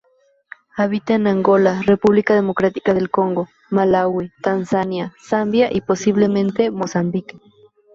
Habita en Angola, República Democrática del Congo, Malaui, Tanzania, Zambia y posiblemente Mozambique.